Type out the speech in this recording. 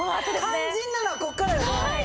肝心なのはここからよね。